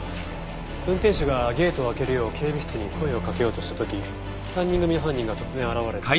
運転手がゲートを開けるよう警備室に声をかけようとした時３人組の犯人が突然現れて。